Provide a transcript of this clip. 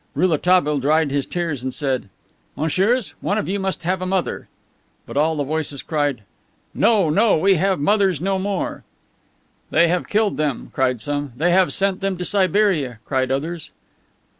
Rouletabille dried his tears and said: "Messieurs, one of you must have a mother." But all the voices cried: "No, no, we have mothers no more!" "They have killed them," cried some. "They have sent them to Siberia," cried others.